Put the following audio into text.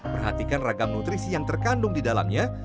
perhatikan ragam nutrisi yang terkandung di dalamnya